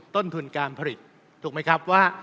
ต้นทุนการผลิตถูกไหมครับว่า